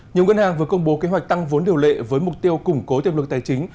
nhiều ngân hàng vừa công bố kế hoạch tăng vốn điều lệ với mục tiêu củng cố tiệm lực tài chính